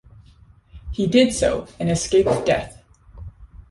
He did so, and escaped death.